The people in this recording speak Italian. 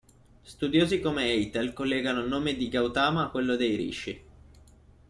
Studiosi come Eitel collegano il nome di Gautama a quello dei rishi.